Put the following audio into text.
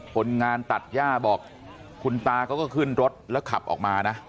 คนงานตัดย่าบอกคุณตาเขาก็ขึ้นรถแล้วขับออกมานะ